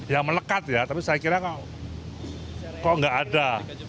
ya melekat ya tapi saya kira kok nggak ada